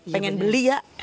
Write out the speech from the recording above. pengen beli ya